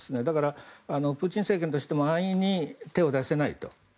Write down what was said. だから、プーチン政権としても安易に手を出せないと。